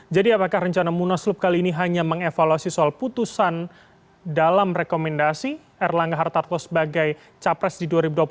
apakah rencana munaslup kali ini hanya mengevaluasi soal putusan dalam rekomendasi erlangga hartarto sebagai capres di dua ribu dua puluh empat